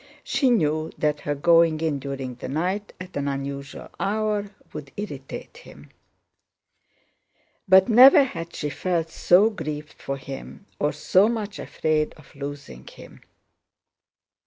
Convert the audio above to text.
She knew that her going in during the night at an unusual hour would irritate him. But never had she felt so grieved for him or so much afraid of losing him.